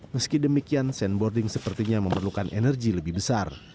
meski demikian sandboarding sepertinya memerlukan energi lebih besar